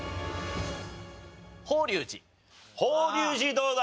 法隆寺どうだ？